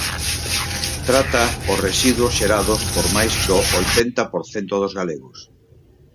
Trata os residuos xerados por máis do oitenta por cento dos galegos.